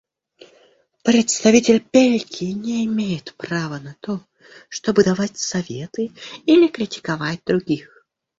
Представитель Бельгии не имеет права на то, чтобы давать советы или критиковать других.